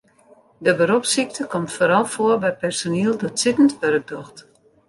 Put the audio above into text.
De beropssykte komt foaral foar by personiel dat sittend wurk docht.